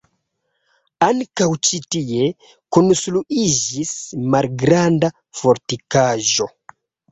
Ankaŭ ĉi tie konstruiĝis malgranda fortikaĵo.